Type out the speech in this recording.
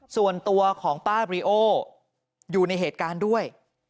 ส่วนตัวของป้าบริโออยู่ในเหตุการณ์ด้วย